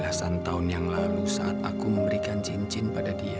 belasan tahun yang lalu saat aku memberikan cincin pada dia